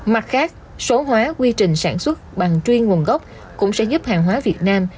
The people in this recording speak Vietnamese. mặt khác số hóa quy trình sản xuất bằng chuyên nguồn gốc cũng sẽ giúp hàng hóa việt nam